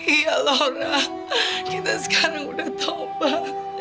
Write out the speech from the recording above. iya laura kita sekarang udah tobat